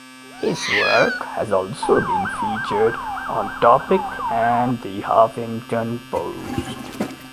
His work has also been featured on Topic and The Huffington Post.